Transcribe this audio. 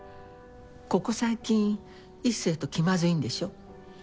ここ最近壱成と気まずいんでしょ？